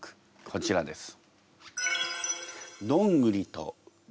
こちらです。